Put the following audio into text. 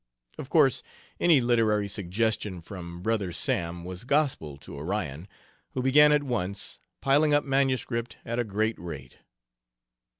Of course, any literary suggestion from "Brother Sam" was gospel to Orion, who began at once piling up manuscript at a great rate.